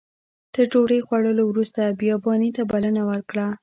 تر ډوډۍ خوړلو وروسته بیاباني ته بلنه ورکړه.